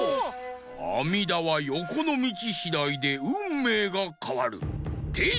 あみだはよこのみちしだいでうんめいがかわる！てい！